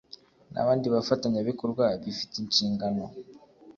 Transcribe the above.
n abandi bafatanyabikorwa bifite inshingano